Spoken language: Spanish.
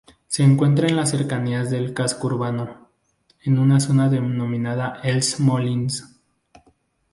Se encuentra en las cercanías del casco urbano, en una zona denominada Els Molins.